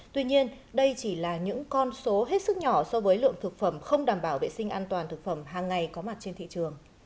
tuy nhiên đây chỉ là những con số hết sức nhỏ so với lượng thực phẩm không đảm bảo vệ sinh an toàn thực phẩm hàng ngày có mặt trên thị trường